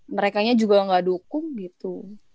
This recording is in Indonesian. mereka nya juga gak dukung gitu